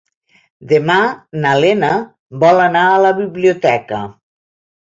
Demà na Lena vol anar a la biblioteca.